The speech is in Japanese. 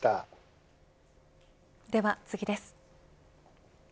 では次です。